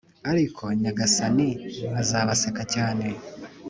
ariko Nyagasani azabaseka cyane